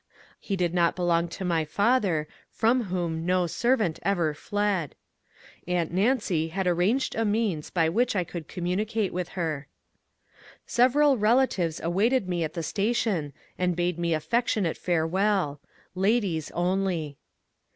He did not belong to my father, from whom no servant ever fled. Aunt Nancy had arranged a means by which I could commu nicate with her. Several relatives awaited me at the station and bade me affectionate farewell. Ladies only